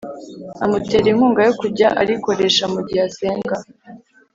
amutera inkunga yo kujya arikoresha mu gihe asenga